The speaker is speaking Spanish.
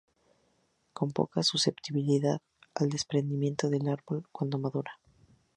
Con poca susceptibilidad al desprendimiento del árbol cuando madura.